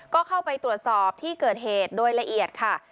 ก็เข้าไปตรวจสอบที่เกิดเหตุโดยละเอียดค่ะ